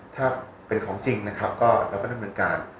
ถ้าเป็นของจริงนะครับก็เราก็ดำเนินการ